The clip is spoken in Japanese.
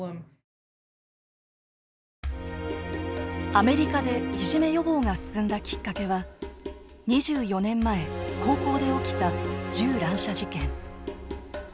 アメリカでいじめ予防が進んだきっかけは２４年前高校で起きた銃乱射事件。